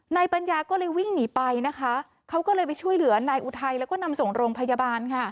ปัญญาก็เลยวิ่งหนีไปนะคะเขาก็เลยไปช่วยเหลือนายอุทัยแล้วก็นำส่งโรงพยาบาลค่ะ